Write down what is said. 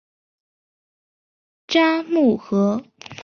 札木合。